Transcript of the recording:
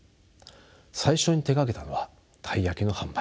最初に手がけたのはたい焼きの販売